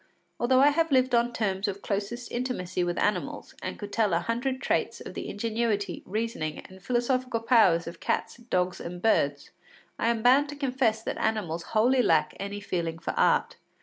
Although I have lived on terms of closest intimacy with animals and could tell a hundred traits of the ingenuity, reasoning, and philosophical powers of cats, dogs, and birds, I am bound to confess that animals wholly lack any feeling for art.